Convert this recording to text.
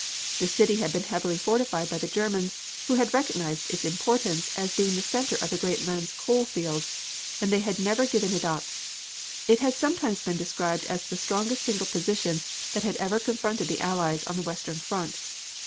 This city had been heavily fortified by the Germans who had recognized its importance as being the center of the great Lens coal fields, and they had never given it up. It had sometimes been described as the strongest single position that had ever confronted the Allies on the western front.